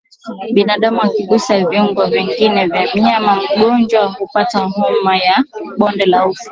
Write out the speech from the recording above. Binadamu akigusa viungo vingine vya mnyama mgonjwa hupata homa ya bonde la ufa